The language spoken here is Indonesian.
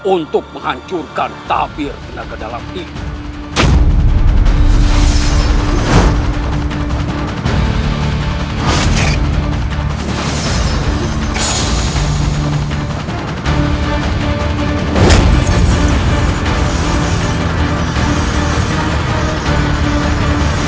untuk menghancurkan tabir tenaga dalam ini